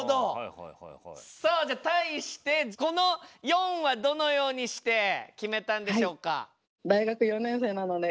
さあじゃあ対してこの「４」はどのようにして決めたんでしょうか？